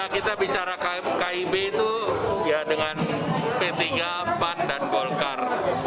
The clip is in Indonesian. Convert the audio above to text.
kita bicara kib itu ya dengan p tiga pan dan golkar